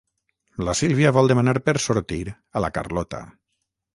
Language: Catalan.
La Sílvia vol demanar per sortir a la Carlota.